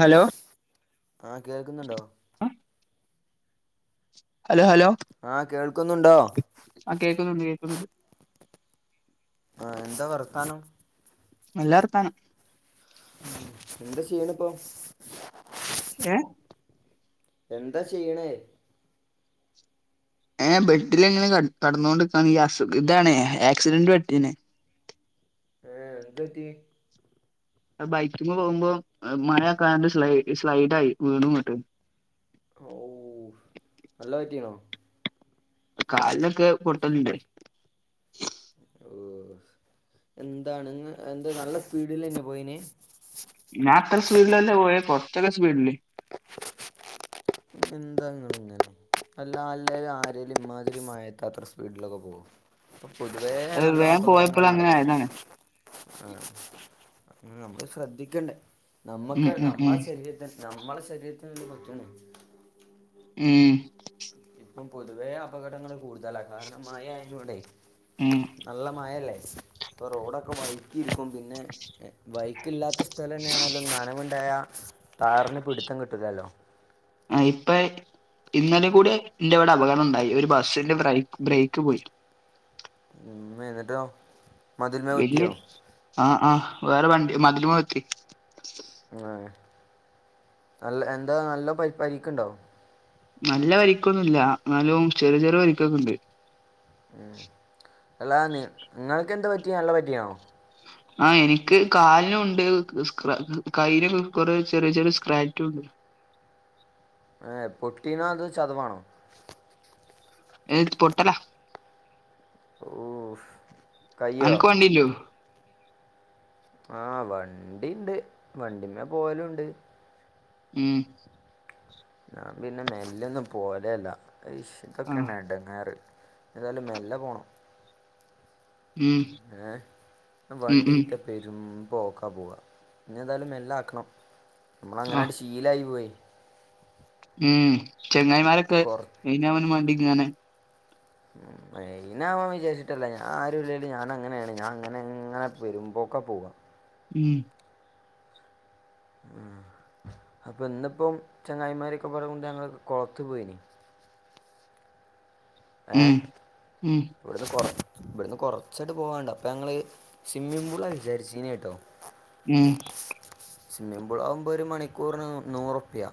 Hello ആ കേൾക്കുന്നുണ്ടോ? Hello hello? ആഹ് കേൾക്കുന്നുണ്ടോ ആ കേൾക്കുന്നുണ്ട് കേൾക്കുന്നുണ്ട് ആഹ് എന്താ വർത്താനം നല്ല വർത്താനം. ഉ എന്ത്. ചെയ്യ്ണ്പ്പോ? ഏ എന്താ ചെച്ച്ണ് ഏ ബെഡില് ങ്ങനെ കടന്നോണ്ട്ക്കാണ് ഈ അസുഖ ഇതാണ് ആക്സിഡന്റ് പറ്റിന് ഏ എന്തു പറ്റി അത് ബൈക്കുമ്മെ പോവുമ്പോ മഴയൊക്കെയായോണ്ട് സ്ലൈ സ്ലൈഡായി വീണുന്നിട്ട് ഓ നല്ല പറ്റീണോ കാലിനൊക്കെ പൊട്ടല്ണ്ട് ഓ എന്താണ് ഇന്ന് എന്ത നല്ല സ്പീഡിലേനോ പോയിന് ചെറ്യ സ്പീഡില് എന്താങ്ങള്ങ്ങനെ അല്ല അല്ലേും ആരേലും ഇമ്മാതിരി മഴേത്ത് അത്ര സ്പീഡിലൊക്കെ പോവോ അ പൊതുവേ അത് നല്ലോ വേഗം അപകടങ്ങ പോയപ്പോൾ അങ്ങനെ നടക് ആയതാണ് ആഹ് നമ്മള് ശ്രദ്ധിക്കണ്ടേ നമ്മക്ക് ഉം ആണ് ഉം ഉം നമ്മള ശരീരത്തി നമ്മളെ ശരീരത്തി [unintelligible] ഉം ഇപ്പം പൊതുവെ അപകടങ്ങള് കൂടുതലാ കാരണം മയ ആയതോണ്ടെയ്. ഉം നല്ല മയല്ലേ ഇപ്പ റോഡൊക്കെ വൈക്കിപ പിന്നെ ബൈ കില്ല സ്ഥലം തന്നെയാണല്ലോ നനവുണ്ടായ താറിന് പിടിത്തം കിട്ടില്ലല്ലോ ആ ഇപ്പ ഇന്നലെ കൂടെ എന്റെ ഇവിടെ അപകടം ഉണ്ടായി ഒരു ബസിന്റെ ബ്രേക്ക് ബ്രേക്ക് പോയി എന്നിട്ടോ മതിൽമേ വല്യ കുത്തിയോ ആ ആഹ് വേറെ വണ് മതില് [unintelligible] ആ നല്ല എന്താ നല്ല പ പരിക്കുണ്ടോ? നല്ല വരിക്കോന്നുല്ല ന്നാലും ചെറിയ ചെറിയ വരിക്കോക്കെ ഉണ്ട് ഉം അല്ല നി നിങ്ങൾക്ക് എന്താ പ ഇയാളിനെ പറ്റിയാണോ? ആ എനിക്ക് കാലിനും ഉണ്ട് സ്‌ക്ര കൈന് കൊറെ ചെറിയ ചെറിയ സ്ക്രാറ്റും ഉണ്ട് ഏ പൊട്ടീനോ അതോ ചതവാണോ? എന് പൊട്ടല ഓഫ് അനക്ക് വണ്ടി ഇല്ലിയോ ആഹ് വണ്ടിഇണ്ട് വണ്ടിമ്മേ പോവലുംഉണ്ട് ഉം ഞാൻ പിന്നെ മെല്ലൊഒന്നും പോവലെഇല്ല ആ [unintelligible] ഇടങ്ങേറ് ഏതായാലും മെല്ലെ പോണം ഉം ഏ ഉം വണ്ടി ഉം കിട്ടയ പെരും പോക്കാ പോവാ ഇനി എന്തായാലും മെല്ല ആക്കണം നമ്മള് ആ അങ്ങനാണ്ട് ശീലായി പോയി ഉം ചെങ്ങായിമാരൊക്കെ കുറ കഴിഞ്ഞവനുംമേണ്ടി ങ്ങനെ അയിനവൻ വിചരിച്ചിട്ടല്ല ഞാൻ ആരുല്ലല് ഞാൻ അങ്ങനെയാണ് ഞാൻ അങ്ങനെ അങ്ങനെ പെരുംമ്പോക്ക പോവുഅ ഉം ഉം അപ്പൊ ഇന്നിപ്പോം ചങ്ങായിമാരൊക്കെ പറയ കൊണ്ട് ഞങ്ങ കൊളത്തി പോയ്ന് ഉം ഏഹ് ഉം ഇവിടുന്ന് കൊറ ഇവിടുന്ന് കുറച്ചായിട്ട് പോവാണ്ട് അപ്പൊ ഞങ്ങള് സ്വിമ്മിംഗ് പൂള വിചാരിച്ചീനേ കേട്ടോ ഉം സിമ്മിംപൂൾ ആകുമ്പോ ഒരു മണിക്കൂറിന് നൂറുപ്പ്യ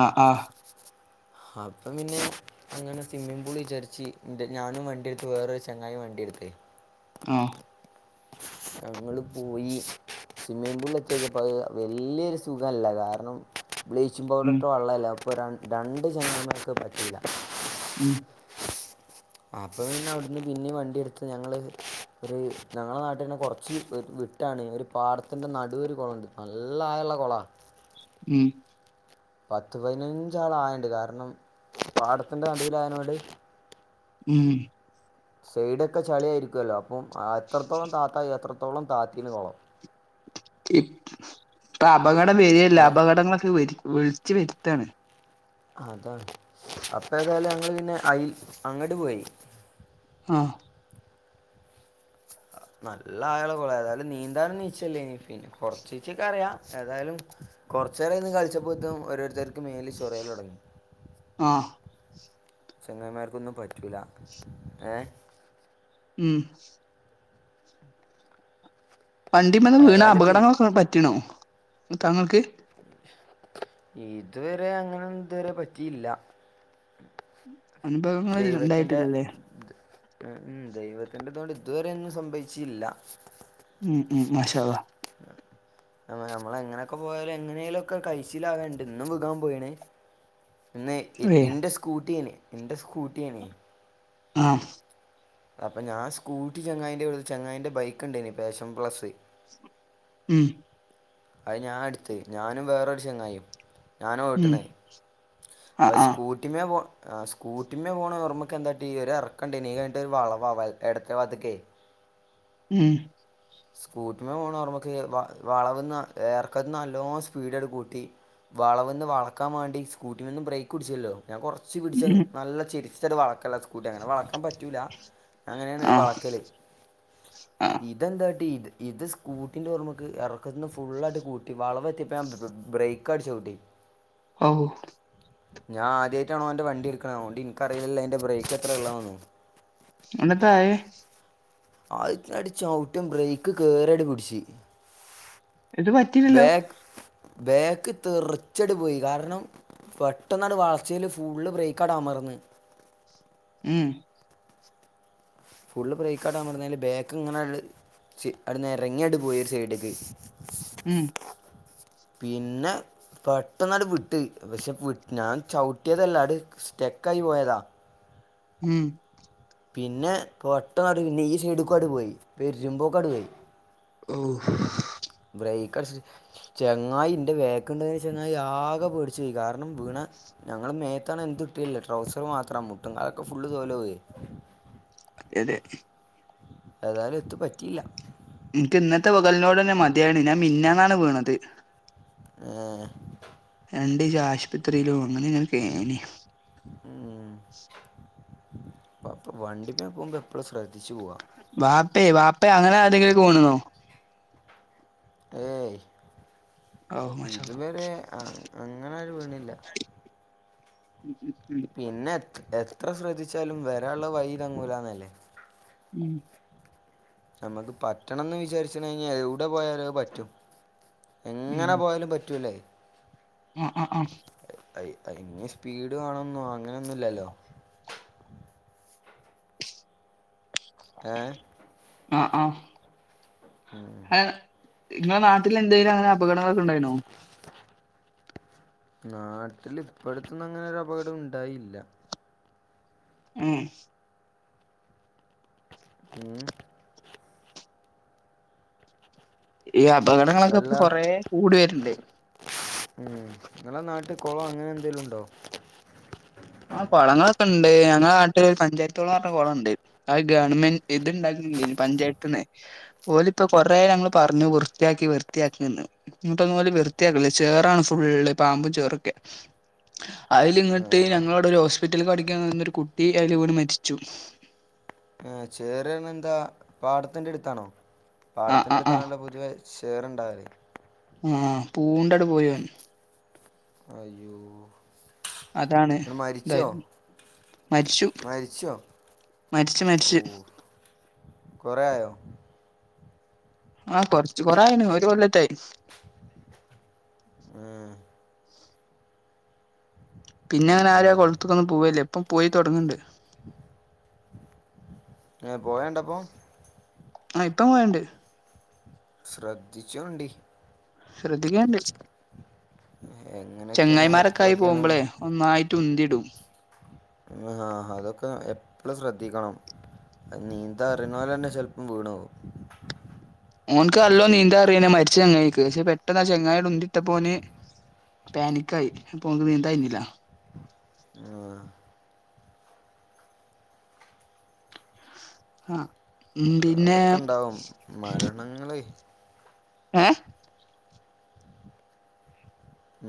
അ ആഹ് അപ്പൊ പിന്നെ അങ്ങനെ സ്വിമ്മിങ് പൂൾ വിചരിച് ഇന്റെ ഞാനും വണ്ടിയെടുത്തു വേറൊരു ചങ്ങായും വണ്ടിയെടുത്ത് ആഹ് ഞങ്ങള് പോയി സ്വിമ്മിംഗ് പൂള് എത്തിയത് പ് വല്യോരു സുഖല്ല കാരണം ബ്ലീച്ചിംഗ് പൗഡർ ഉം ഇട്ട വള്ളല്ലേ ഇപ്പോൾ ര രണ്ട് ജനങ്ങൾക്ക് പറ്റീല്ല ഉം അപ്പൊ അവിടുന്ന് പിന്നെ വണ്ടിയെടുത്ത് ഞങ്ങള് ഒരു ഞങ്ങളെ നാട്ടിൽ തന്നെ കുറച്ച് വിട്ടാണ് ഒരു പാടത്തിന്റെ നടുവ ഒരു കുളംഉണ്ട് നല്ലായുള്ള കുളാ ഉം പത്ത് പതിനഞ്ചാള ആയണ്ട് കാരണം പാടത്തിന്റെ നടുവിൽ ആയനോണ്ട് ഉം സൈഡൊക്കെ ചളിയായിരിക്കുവല്ലോ അപ്പം അത്രത്തോളം താത്ത അത്രത്തോളം താത്തീന് കൊളം ഇപ് അപകടം വര്യല്ല ഏ അപകടങ്ങളൊക്കെ വ് വിള്ച്ച് വര്ത്താണ് അതാ അപ്പേതായാലും ഞങ്ങള് പിന്നെ അയിൽ അങ്ങട്ട് പോയി ആഹ് നല്ല ആയാളെ കൊള തായാലും നീന്താനുംീച്ചല്ലേ ഇനി പിന്നെ കൊറച്ച ചീച്ചക്ക് അറിയാം ഏതായാലും കൊറച്ച നേര ഇന്ന് കളിച്ചപ്പോത്ത ഓരോരുത്തർക്ക് മെയിൽ ചൊറൽ തുടങ്ങി ആഹ് ചെങ്ങായി മാര്ക്കൊന്നും പറ്റൂല ഏ മ് വണ്ടിമന്ന് വീണ് ഏതായാലും പിൻ അപടങ്ങളൊക്കെ പറ്റീണോ തങ്ങക്ക് ഇത് വരെ അങ്ങനൊന്നു ഇത് വരെ പറ്റീല്ല അനുഭവങ്ങള ഉണ്ടായിട്ടില്ലല്ലേ മ് മ് ദൈവത്തിന്റെതൊണ്ട് ത് വരെ ഒന്നും സംഭവിച്ചീല്ല മ് മ് മാഷാ അല്ലാഹ് നമ്മളെങ്ങെനെക്കെ പോയാലും എങ്ങനേലൊക്കെ കൈച്ചിലാവ്ണ്ട് ഇന്നും വ്കാൻ പോയീണ് ഇന്ന് ന്ന് ഏ ഇന്റെ സ്കൂട്ടിനെ- ഇന്റെ സ്- കൂട്ട്യാണേയ് ആഹ് അപ്പൊ ഞാൻ സ്കൂട്ടി ചങ്ങായീന്റെ വ്ടെ ച്ച് ചങ്ങായിൻന്റെ ബൈക്ക്ണ്ടേനി പേഷം പ്ലസ് മ് അത് ഞാൻ ഇട്ത്ത് ഞാനും വേറൊരു ചെങ്ങായും ഞാനാ ഉം ഓട്ട്ണേ അപ്പ ആഹ് ആഹ് സ്കൂട്ടിമ്മേ പോ ആ സ്കൂട്ടിയമ്മേ പോണോമ്മക്ക് എന്താട്ടി ഈ ഒര് എറക്കണ്ടേയ്നീ കയിഞ്ഞിട്ടൊര് വളവാ എടത്തെ ഭാത്തക്കേയ് മ് സ്കൂട്ടിമ്മെ പോണഓർമ്മക്ക് വളവ്ന്ന് എറക്കത്ത്ന്ന്നല്ലോം സ്പീഡണ് കൂട്ടി വളവ്ന്ന് വളക്കാം വാണ്ടി സ്കൂട്ടിമന്ന് ബ്രേക്ക് പുടിച്ചല്ലോ ഞാൻ കൊറച്ച് പിടിച്ച് ഉം നല്ല ചെരിച്ചു ചര് വളക്ക കൂട്ടി അങ്ങനെ വളക്കാം പറ്റൂല അങ്ങനെയാണ് ആഹ് വളക്കല് ആഹ് ഇതെന്ത കട്ടി ഇത് ഇത് സ്കൂട്ടിന്റെ ഓർമക്ക് എറക്കത്ത്ന്ന് ഫുള്ളായിട്ട് കൂട്ടി വളവെത്തെപ്പോ ബ്രേക്കങ്ങട്ട് ചൗട്ടി ഔ ഞാൻ ആദ്യട്ടാണോന്റെ വണ്ടി എടുക്കണ എനിക്കറിയില്ലല്ലോ ഐന്റെ ബ്രേക്ക് എത്രേ ഉള്ളത്ന്നും എന്ന്ട്ടായെ അത് ചവുട്ടുമ്പോ ബ്രേക്ക്‌ കേറി അങ്ങ് പിടിച് എന്തും പറ്റീലല്ലോ ബ്രേക്ക്‌ തെറിച്ചണ്ട് പോയി കാരണം പെട്ടന്നണ്ട് വളചേല് ഫുള്ള് ബ്രേക്കങ്ങട്ട് അമർന്ന് മ് ഫുള് ബ്രേക്കട്ട് അമർന്നാല് ബാക്ക് ഇങ്ങനെ ങ്ങട്ട് നെരങ്ങിങ്ങട്ട് പോയി ഒരു സൈഡ്ക്ക് ഉം പിന്നെ പെട്ടന്നട് വിട്ട് പക്ഷെ വ് ഞാൻ ചൗട്ട്യേതല്ല സ്റ്റെക്കായി പോയതാ ഉം പിന്നെ പൊട്ടന്ന് പിന്നെ ഈ സൈഡ ഒക്ക അടെ പോയി വെരുമ്പോക്കെ അട് പോയി ഓ ബ്രേക്ക ചങ്ങായി ഇന്റെ വേക്ക്ണ്ടന് ചങ്ങ ആകെ പേടിച്ചു പോയി കാരണം വീണ ഞങ്ങള്ൾ മേത്താണ് എട്ടില്ല ട്രൗസർ മാത്രം മുട്ടും അതൊക്കെ ഫുള്ള് തോല പോയി അതെ അതെ ഏതായാലും എത്ത പറ്റിയില്ല എനിക്ക് ഇന്നത്തെ വകലിനോട് തന്നെ മതിയാണ് ഞാൻ മിന്ന [unintelligible] വീണത് ഉം രണ്ട് ആശുപത്രിയിലോ അങ്ങനെ ങ്ങ കേന അപ്പ വണ്ടിമേ പോകുമ്പോ എപ്പോഴും ശ്രദ്ധിച്ചു പോവാ ബാപ്പ ബാപ്പ അങ്ങനെ ആതെങ്കില പോണന്നോ ഏ ഔ മാഷാ അള്ളാ ഇതുവരെ അങ്ങനെരു വീണില്ല ഉം പിന്നെ എത്ര ശ്രദ്ധിച്ചാലും വരുള്ള വൈതങ്ങൂഉള്ളത് വഴിയിൽ താങ്ഗുല ഉം നമ്മുക്ക് പറ്റണംന്ന് വിചാരിച്ചിട്ടുണ്ടെങ്കിൽ കഞ്ഞ എവിടെ പോയാല പറ്റും എങ്ങനെ പോയാലും പറ്റൂല്ലേ ആഹ ആഹ ആഹ അ ഇനി സ്പീഡ് വേണന്നു അങ്ങനെയൊന്നുമല്ലല്ലോ ഏ ആഹ ആഹ ഉം നിങ്ങളെ നാട്ടിൽ എന്തും അന- അപകടങ്ങളൊക്കെണ്ടായിുന്നോ നാട്ടിൽ ഇപ്പഴത്തൊന്നും അങ്ങനെ ഒരു അപകടം ഉണ്ടായില്ല ഉം പി [unintelligible] ഈ അപകടങ്ങളൊക്കെ അല്ല ഇപ്പൊ കൊറ കൂടി വരുണ്ട് ഉം. നിങ്ങളെ നാട്ട കുളം അങ്ങനെ എന്തെലും ഉണ്ടോ ആ കുളങ്ങളൊക്കെ ഉണ്ട് ഞങ്ങളുടെ നാട്ടില് പഞ്ചായത്തോളന്ന് പറഞ്ഞ കുളംുണ്ട് അ ഗവൺമെന്റ് ഇത്ണ്ടാക്കുന്നുണ്ട് പഞ്ചായത്തന്ന പോലെ ഇപ്പോൊ കൊറെ ആ ഞങ്ങള്ൾ പറഞ്ഞു വൃത്തിയാക്കി വൃത്തിയാക്കിന്ന് ഇിട്ട അന്ന പോോലെ വൃത്തിയാക്കല്ല ചേറാണ് ഫുള്ള് പാമ്പും ചേറൊക്കെ അതിൽ ഇങ്ങട്ട് ആ അവിടെ ഒരു ഹോസ്പിറ്റലിൽ കടിക്കാൻന്നൊരു കുട്ടി അലപല മരിച്ചു ഏ ചേറ എന്താ പാടത്തിന്റെ അടുത്താണോ ആഹ് പാടത്തിന്റെ ആഹ് അടുത്താണല്ല പൊതിയവ ഷെയർുണ്ടാവൽ ആഹ പൂണ്ടടെ പോയൻ അയ്യോ അതാണ് ഇങ്ങള് മരിച്ചോ എന്തായിരുന്നു മരിച്ചു മരിച്ചോ മരിച്ച് മരിച്ച് കുറേ ആയോ ആ കൊറച്ച് കൊറായിന് ഒരു കൊല്ലത്തായി ഉം പിന്നെ ആഹ് അങ്ങനെ ആരും ആഹ് കൊല്ലത്തെക്കൊന്നും പോവല്ലേ അപ്പം പോയി തുടങ്ങുന്നുണ്ട് പോയണ്ടപ്പോൾ ആഹഇപ്പം പോയണ്ട് ശ്രദ്ധിച്ചോണ്ടി ശ്രദ്ധിക്കാണ്ട് എങ്ങനെയൊക്കെയാണ് ചെങ്ങായിമാരൊക്കെ ആയി എപ്പളൊക്കെയാണ് പോകുമ്പോളെ ഒന്നായി ഉന്തിടും [unintelligible] ആ അതൊക്കെ എപ്പഴും ശ്രദ്ധിക്കണം നീന്താൻ അറിയുന്നവർ തന്നെ ചിലപ്പം വീണു പോകും ഓനക്ക് അല്ലോ നീന്താ അറിയാ മരിച്ച ചെങ്ങാതിയ്ക്ക് പക്ഷെ പെട്ടെന്ന് ചങ്ങായി ഉണ്ട ഇട്ടപ്പോ പാനിക്ക് ആയി അപ്പൊ ഓനക്ക് നീന്തായിരുന്നില്ല ആഹ് ആ എന്ത് അതൊക്കെ ഇണ്ടാവും മരണങ്ങളേ ഏ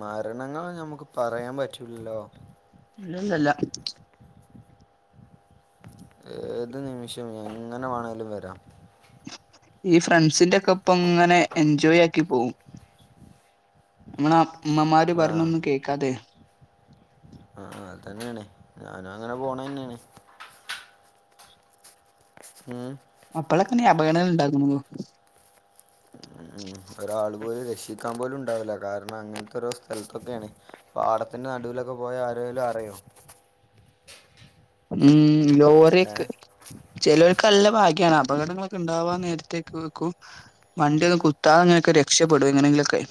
മരണങ്ങ നമ്മുക്ക് പറയാൻ പറ്റൂലല്ലോ ഇല്ലല്ല ഏത് നിമിഷവും എങ്ങനെ വേണേലും വരാം ഈ ഫ്രണ്ട്സിന്റെ ഒക്കെ ഒപ്പം ഇങ്ങനെ എൻജോയ് ആക്കി പോവും ആ അമ്മമാര് ആ പറണൊന്നും കേക്കാതെ ആ അത് തന്നെയാണ് ഞാനും അങ്ങനെ പോണ തന്നെയാണ് ഉം അപ്പോളൊക്കെ അപഗണനകൾ ഇണ്ടാക്കുന്നു ഉം. ഒരാൾ പോലും രക്ഷിക്കാൻ പോലും ഉണ്ടാവില്ല കാരണം അങ്ങനത്തെ ഒരു സ്ഥലത്തൊക്കെയാണ് പാടത്തിന്റെ നടുവിലൊക്കെ പോയാ ആരേലും അറിയോ ഉം ഏ ലോറിക്ക് ചിലർക്ക് ഭാഗ്യ- അപകടങ്ങളൊക്കെ ഉണ്ടാവാൻ നേരത്തേക്ക് വെക്കും വണ്ടിയൊന്നും കുത്താതെ അങ്ങനെയൊക്കെ രക്ഷ പ്പെടും എങ്ങനെയെങ്കിലുമൊക്കെ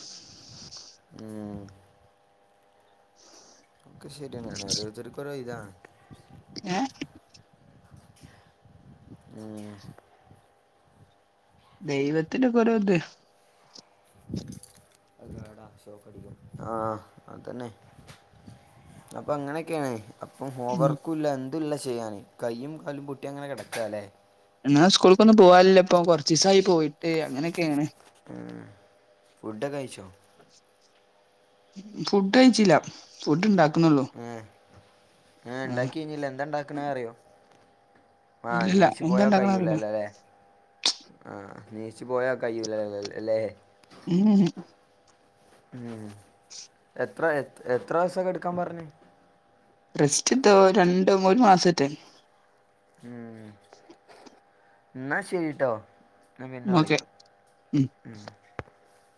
ഉം. ഒക്കെ ശരിയെയാണ് ഓരോരുത്തർക്കും ഓരോ ഇതാണ് ഏ ഉം ദൈവത്തിന്റെ കുറ [unintelligible] ആ അതന്നെ അപ്പൊ അങ്ങനെയൊക്കെയാണ് അപ്പം ഉം ഹോംവർക്കുല്ല അതല്ല ചെയ്യാന് കൈയ്യും കാലും പൊട്ടിയ അങ്ങനെ കിടക്കുകല്ലെ എങ്ങനെ സ്കൂൾക്കൊന്നും പോവാലില്ല ഇപ്പൊ കൊറച്ച് ദിവസമായി പോയിട്ട് അങ്ങനെയൊക്കെയാണ് ഫുഡ് കഴിച്ചോ ഫുഡ് കഴിച്ചില്ല ഫുഡ് ഉണ്ടാക്ക ഉം ആ ഉണ്ടാക്കി കഴിഞ്ഞില്ല എന്താ ഉണ്ടാക്കണ അറിയോ [inaudible] ആഹ ഇല്ലില്ല നീശി എന്താ പോയോ ഇണ്ടാക്കണ അറിയില്ല കഴൂലല്ലോ അല്ലേ ആഹ നീശി പോയാ കയല്ല അല്ലേ ആന ഉം എത്ര എ എത്ര ദിവസൊക്കെ എടുക്കാൻ പറഞ്ഞു സ്റ്റ് ഇ രണ്ടും ഒരു മാസത്തെ ഉം എന്ന ശരിട്ടോ പിന്നെ ഓക്കെ വിളിക്കാം ഉം ഉ